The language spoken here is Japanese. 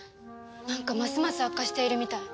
なんかますます悪化しているみたい。